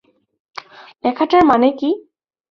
লেখাটার মানে কী?